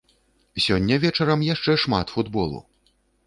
Сёння вечарам яшчэ шмат футболу.